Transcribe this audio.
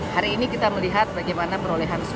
hari ini kita melihat bagaimana perolehan mbok milo